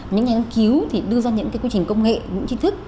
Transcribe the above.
những nhà nghiên cứu thì đưa ra những cái quy trình công nghệ những chi tiết